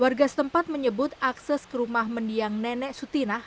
warga setempat menyebut akses ke rumah mendiang nenek sutina